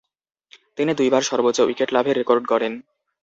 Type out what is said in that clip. তিনি দুইবার সর্বোচ্চ উইকেট লাভের রেকর্ড গড়েন।